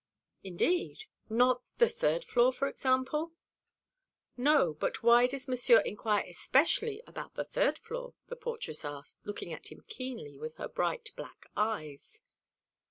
"Indeed! Not the third floor, for example?" "No. But why does Monsieur inquire especially about the third floor?" the portress asked, looking at him keenly with her bright black eyes.